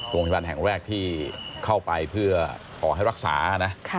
โรงพยาบาลแห่งแรกที่เข้าไปเพื่อขอให้รักษานะ